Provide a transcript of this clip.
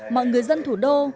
mọi người dân thủ đô